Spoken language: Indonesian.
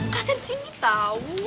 kasian sini tau